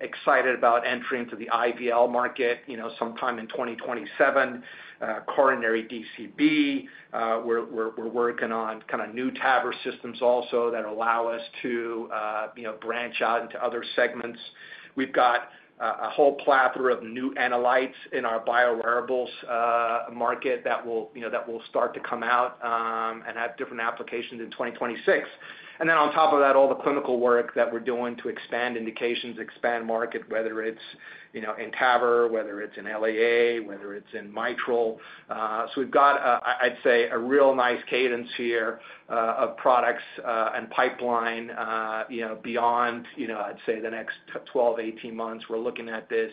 Excited about entering into the IVL market, you know, sometime in 2027. Coronary DCB, we're working on kind of new TAVR systems also that allow us to, you know, branch out into other segments. We've got a whole plethora of new analytes in our biowearables market that will, you know, that will start to come out and have different applications in 2026. And then on top of that, all the clinical work that we're doing to expand indications, expand market, whether it's, you know, in TAVR, whether it's in LAA, whether it's in mitral. So we've got, I'd say, a real nice cadence here of products and pipeline, you know, beyond, you know, I'd say the next 12, 18 months. We're looking at this,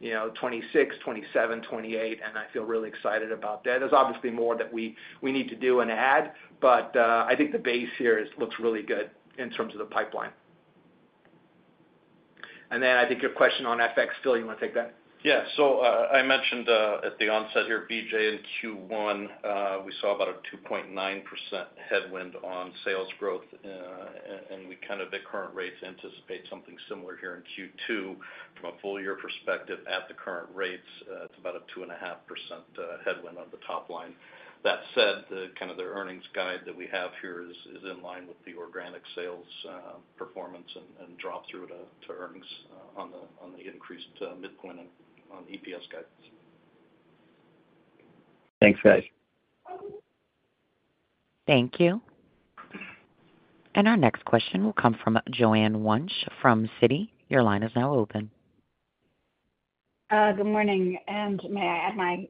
you know, 2026, 2027, 2028, and I feel really excited about that. There's obviously more that we need to do and add, but I think the base here is, looks really good in terms of the pipeline. And then I think your question on FX, Phil, you want to take that? Yeah. So, I mentioned at the onset here, BJ, in Q1, we saw about a 2.9% headwind on sales growth, and we kind of, at current rates, anticipate something similar here in Q2. From a full year perspective, at the current rates, it's about a 2.5% headwind on the top line. That said, the kind of earnings guide that we have here is in line with the organic sales performance and drop-through to earnings on the increased midpoint on EPS guidance. Thanks, guys. Thank you. Our next question will come from Joanne Wuensch from Citi. Your line is now open. Good morning, and may I add my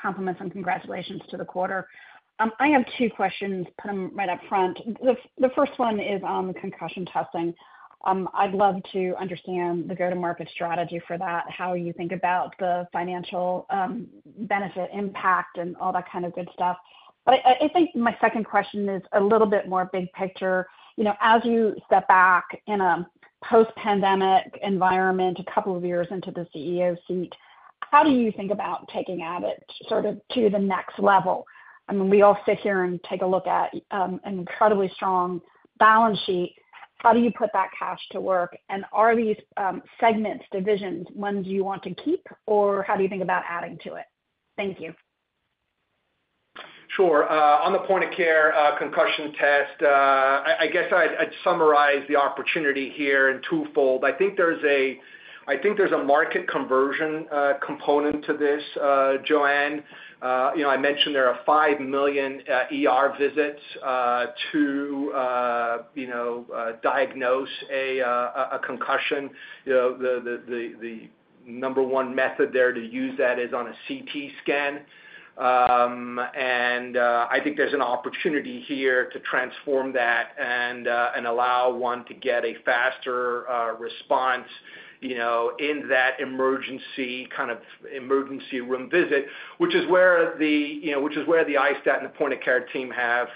compliments and congratulations to the quarter? I have two questions. Put them right up front. The first one is on the concussion testing. I'd love to understand the go-to-market strategy for that, how you think about the financial benefit, impact, and all that kind of good stuff. But I think my second question is a little bit more big picture. You know, as you step back in a post-pandemic environment, a couple of years into the CEO seat, how do you think about taking Abbott sort of to the next level? I mean, we all sit here and take a look at an incredibly strong balance sheet. How do you put that cash to work? Are these segments, divisions, ones you want to keep, or how do you think about adding to it? Thank you. Sure. On the point of care concussion test, I guess I'd summarize the opportunity here in twofold. I think there's a market conversion component to this, Joanne. You know, I mentioned there are 5 million ER visits to diagnose a concussion. You know, the number one method there to use is a CT scan. And I think there's an opportunity here to transform that and allow one to get a faster response, you know, in that emergency kind of emergency room visit, which is where the... You know, which is where the i-STAT and the point-of-care team have,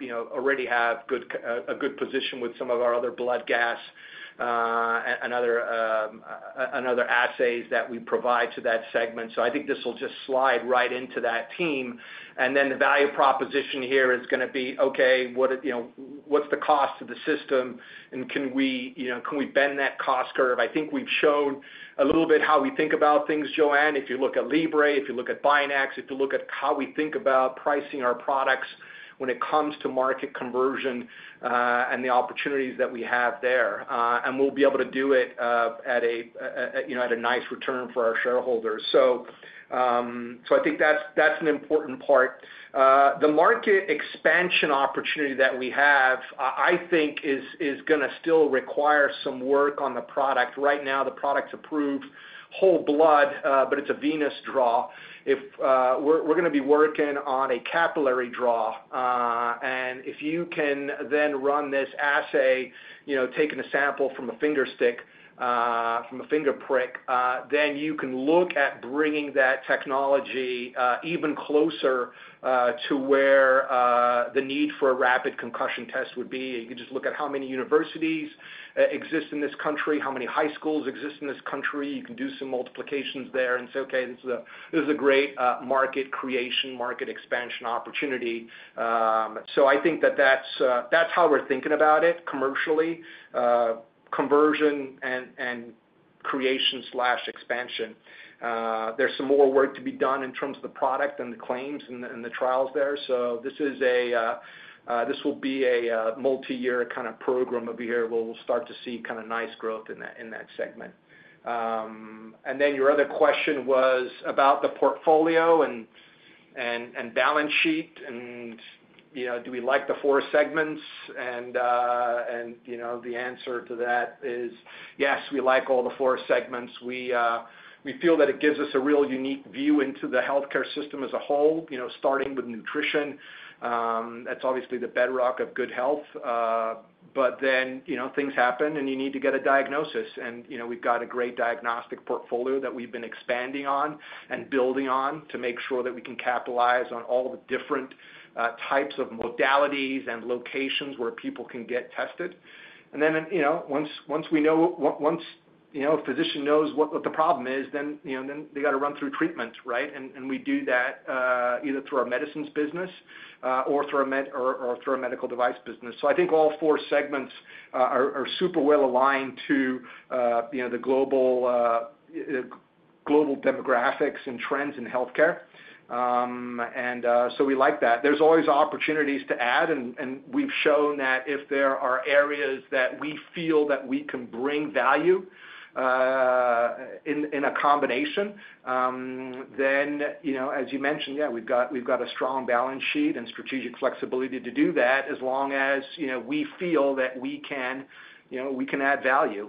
you know, already have good, a good position with some of our other blood gas, and other, and other assays that we provide to that segment. So I think this will just slide right into that team. And then the value proposition here is gonna be, okay, what, you know, what's the cost of the system, and can we, you know, can we bend that cost curve? I think we've shown a little bit how we think about things, Joanne. If you look at Libre, if you look at Binax, if you look at how we think about pricing our products when it comes to market conversion, and the opportunities that we have there, and we'll be able to do it, at a, you know, at a nice return for our shareholders. So, so I think that's, that's an important part. The market expansion opportunity that we have, I think is, is gonna still require some work on the product. Right now, the product's approved whole blood, but it's a venous draw. If... We're gonna be working on a capillary draw, and if you can then run this assay, you know, taking a sample from a finger stick, from a finger prick, then you can look at bringing that technology even closer to where the need for a rapid concussion test would be. You can just look at how many universities exist in this country, how many high schools exist in this country. You can do some multiplications there and say, "Okay, this is a, this is a great market creation, market expansion opportunity." So I think that that's how we're thinking about it commercially, conversion and creation/expansion. There's some more work to be done in terms of the product and the claims and the, and the trials there, so this is a, this will be a, multiyear kind of program over here, where we'll start to see kind of nice growth in that, in that segment. And then your other question was about the portfolio and, and, and balance sheet, and, you know, do we like the four segments? And, and, you know, the answer to that is, yes, we like all the four segments. We, we feel that it gives us a real unique view into the healthcare system as a whole, you know, starting with nutrition, that's obviously the bedrock of good health. But then, you know, things happen, and you need to get a diagnosis. And, you know, we've got a great diagnostic portfolio that we've been expanding on and building on to make sure that we can capitalize on all the different types of modalities and locations where people can get tested. And then, you know, once you know a physician knows what the problem is, then, you know, then they got to run through treatments, right? And we do that either through our medicines business or through our medical device business. So I think all four segments are super well aligned to, you know, the global demographics and trends in healthcare. And so we like that. There's always opportunities to add, and we've shown that if there are areas that we feel that we can bring value in a combination, then, you know, as you mentioned, yeah, we've got a strong balance sheet and strategic flexibility to do that as long as, you know, we feel that we can, you know, we can add value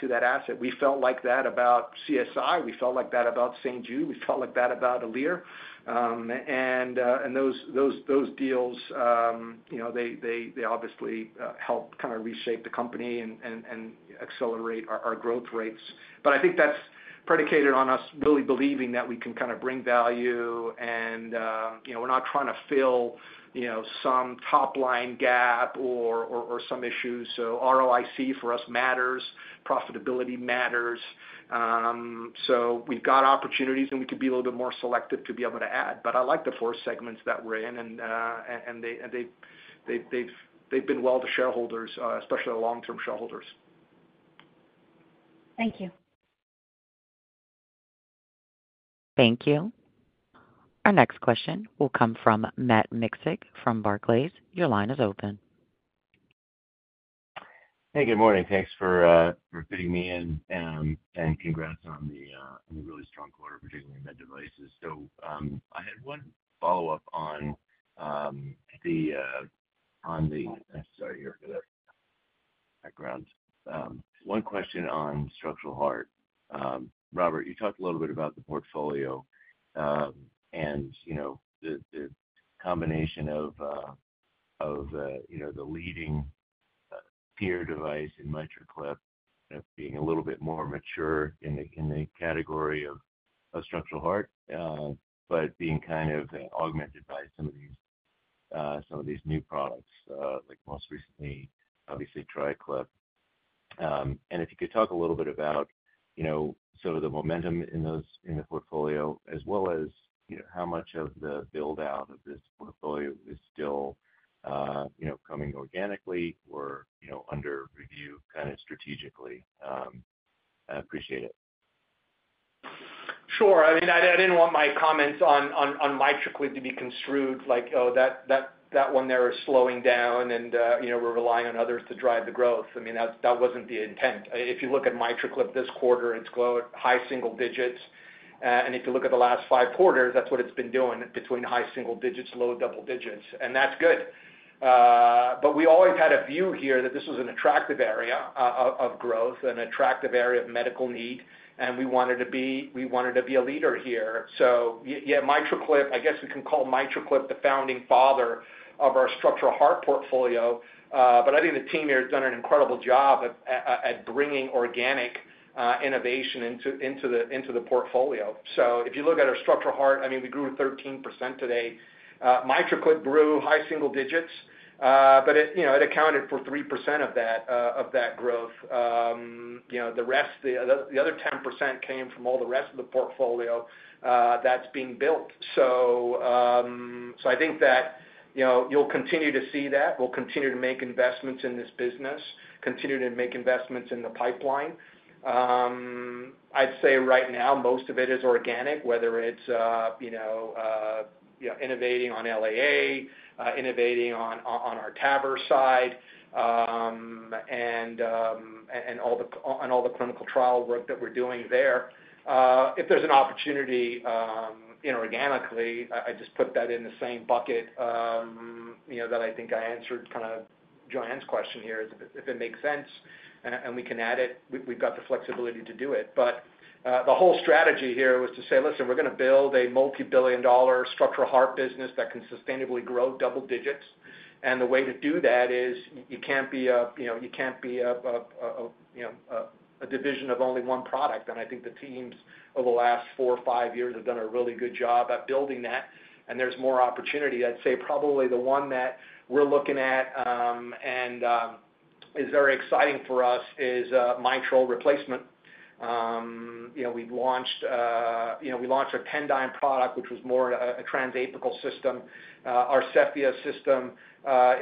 to that asset. We felt like that about CSI. We felt like that about St. Jude. We felt like that about Alere. And those deals, you know, they obviously helped kind of reshape the company and accelerate our growth rates. But I think that's predicated on us really believing that we can kind of bring value and, you know, we're not trying to fill, you know, some top line gap or, or, or some issues. So ROIC for us matters, profitability matters. So we've got opportunities, and we could be a little bit more selective to be able to add. But I like the four segments that we're in, and they have been well to shareholders, especially the long-term shareholders. Thank you. Thank you. Our next question will come from Matt Miksic from Barclays. Your line is open. Hey, good morning. Thanks for fitting me in, and congrats on the really strong quarter, particularly in Med Devices. So, Sorry, you're good. One question on Structural Heart. Robert, you talked a little bit about the portfolio, and, you know, the combination of, you know, the leading repair device in MitraClip, being a little bit more mature in the category of Structural Heart, but being kind of augmented by some of these new products, like most recently, obviously, TriClip. If you could talk a little bit about, you know, sort of the momentum in those in the portfolio, as well as, you know, how much of the build-out of this portfolio is still, you know, coming organically or, you know, under review kind of strategically? I appreciate it. Sure. I mean, I didn't want my comments on MitraClip to be construed like, oh, that one there is slowing down, and, you know, we're relying on others to drive the growth. I mean, that wasn't the intent. If you look at MitraClip this quarter, it's grown high single digits. And if you look at the last five quarters, that's what it's been doing between high single digits, low double digits, and that's good. But we always had a view here that this was an attractive area of growth and an attractive area of medical need, and we wanted to be a leader here. So yeah, MitraClip, I guess we can call MitraClip the founding father of our Structural Heart portfolio. But I think the team here has done an incredible job at bringing organic innovation into the portfolio. So if you look at our structural heart, I mean, we grew 13% today. MitraClip grew high single digits, but you know, it accounted for 3% of that growth. You know, the rest, the other 10% came from all the rest of the portfolio that's being built. So I think that, you know, you'll continue to see that. We'll continue to make investments in this business, continue to make investments in the pipeline. I'd say right now, most of it is organic, whether it's, you know, innovating on LAA, innovating on our TAVR side, and all the clinical trial work that we're doing there. If there's an opportunity, inorganically, I just put that in the same bucket, you know, that I think I answered kind of Joanne's question here. If it makes sense and we can add it, we've got the flexibility to do it. But, the whole strategy here was to say, listen, we're going to build a multi-billion-dollar structural heart business that can sustainably grow double digits. And the way to do that is you can't be a, you know, you can't be a division of only one product. I think the teams over the last four or five years have done a really good job at building that, and there's more opportunity. I'd say probably the one that we're looking at, and, is very exciting for us is, mitral replacement. You know, we've launched, you know, we launched our Tendyne product, which was more, a transapical system. Our Cephea system,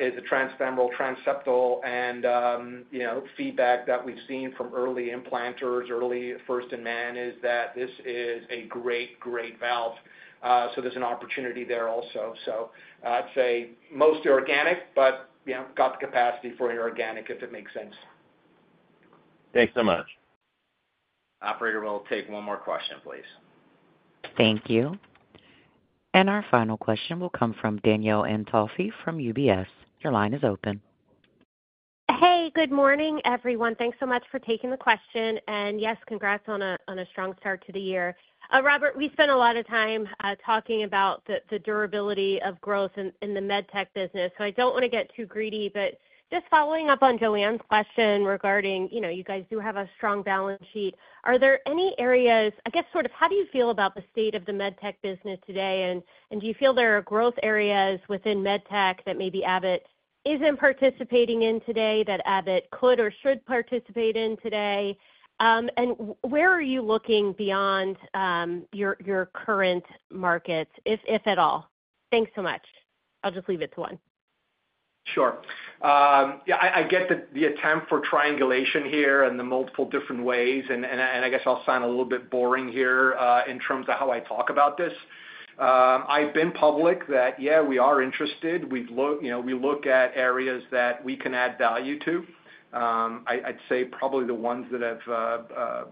is a transfemoral, transseptal, and, you know, feedback that we've seen from early implanters, early first in man, is that this is a great, great valve. So there's an opportunity there also. So I'd say mostly organic, but, you know, got the capacity for inorganic, if it makes sense. Thanks so much. Operator, we'll take one more question, please. Thank you. Our final question will come from Danielle Antalffy from UBS. Your line is open. Hey, good morning, everyone. Thanks so much for taking the question, and yes, congrats on a strong start to the year. Robert, we spent a lot of time talking about the durability of growth in the med tech business, so I don't want to get too greedy, but just following up on Joanne's question regarding, you know, you guys do have a strong balance sheet. Are there any areas—I guess, sort of how do you feel about the state of the med tech business today? And do you feel there are growth areas within med tech that maybe Abbott isn't participating in today, that Abbott could or should participate in today? And where are you looking beyond your current markets, if at all? Thanks so much. I'll just leave it to one. Sure. Yeah, I get the attempt for triangulation here and the multiple different ways, and I guess I'll sound a little bit boring here, in terms of how I talk about this. I've been public that, yeah, we are interested. We've looked, you know, we look at areas that we can add value to. I'd say probably the ones that have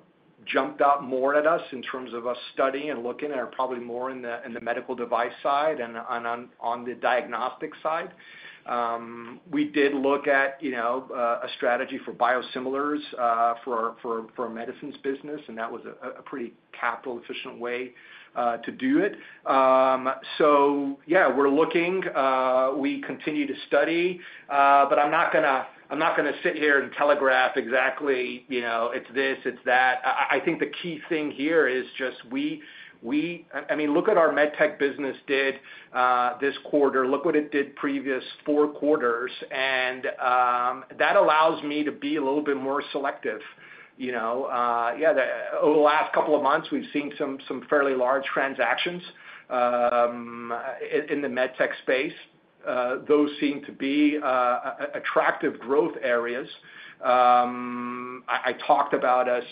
jumped out more at us in terms of us studying and looking are probably more in the medical device side than on the diagnostic side. We did look at, you know, a strategy for biosimilars for our medicines business, and that was a pretty capital-efficient way to do it. So yeah, we're looking, we continue to study, but I'm not gonna sit here and telegraph exactly, you know, it's this, it's that. I think the key thing here is just I mean, look at our med tech business did this quarter, look what it did previous four quarters, and that allows me to be a little bit more selective, you know? Yeah, over the last couple of months, we've seen some fairly large transactions in the med tech space. Those seem to be attractive growth areas. I talked about us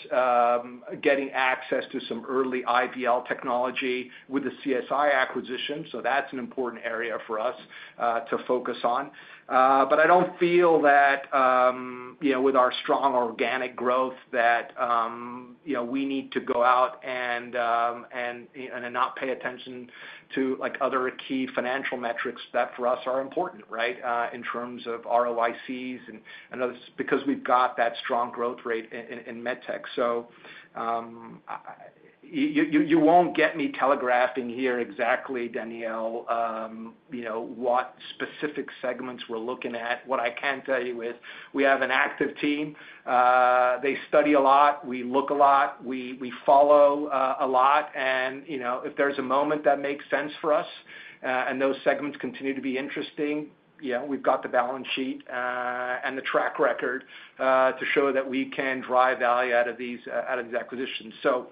getting access to some early IVL technology with the CSI acquisition, so that's an important area for us to focus on. But I don't feel that, you know, with our strong organic growth, that, you know, we need to go out and not pay attention to, like, other key financial metrics that, for us, are important, right? In terms of ROICs and others, because we've got that strong growth rate in med tech. You won't get me telegraphing here exactly, Danielle, you know, what specific segments we're looking at. What I can tell you is we have an active team. They study a lot. We look a lot. We follow a lot, and, you know, if there's a moment that makes sense for us, and those segments continue to be interesting. Yeah, we've got the balance sheet and the track record to show that we can drive value out of these, out of these acquisitions. So,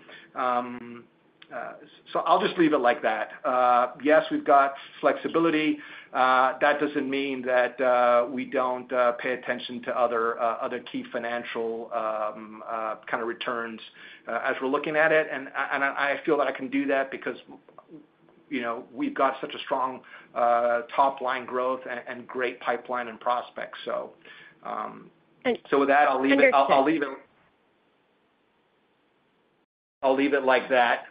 so I'll just leave it like that. Yes, we've got flexibility. That doesn't mean that we don't pay attention to other, other key financial kind of returns as we're looking at it. And I, and I, I feel that I can do that because, you know, we've got such a strong top-line growth and, and great pipeline and prospects. So, Thank- So with that, I'll leave it- Understood. I'll leave it... I'll leave it like that.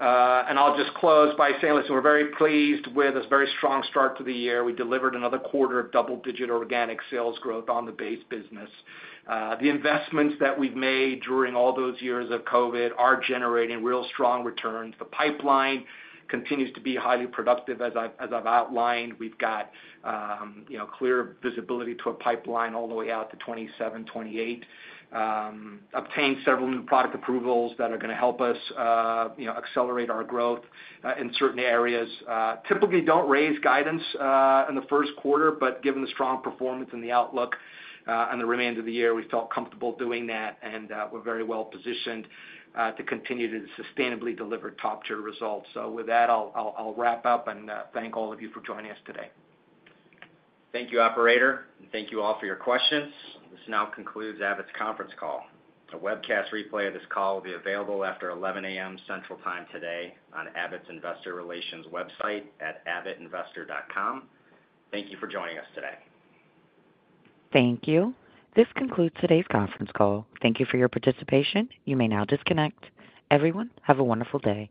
I'll just close by saying, listen, we're very pleased with this very strong start to the year. We delivered another quarter of double-digit organic sales growth on the base business. The investments that we've made during all those years of COVID are generating real strong returns. The pipeline continues to be highly productive, as I've outlined. We've got, you know, clear visibility to a pipeline all the way out to 2027-2028. Obtained several new product approvals that are gonna help us, you know, accelerate our growth, in certain areas. Typically don't raise guidance in the first quarter, but given the strong performance and the outlook on the remainder of the year, we felt comfortable doing that, and we're very well positioned to continue to sustainably deliver top-tier results. So with that, I'll wrap up and thank all of you for joining us today. Thank you, operator, and thank you all for your questions. This now concludes Abbott's conference call. A webcast replay of this call will be available after 11 A.M. Central Time today on Abbott's investor relations website at abbottinvestor.com. Thank you for joining us today. Thank you. This concludes today's conference call. Thank you for your participation. You may now disconnect. Everyone, have a wonderful day.